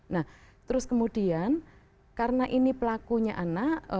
nah terus kemudian karena ini pelakunya anak